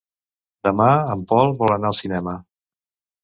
Demà en Pol vol anar al cinema.